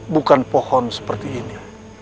bukan pohon seperti ini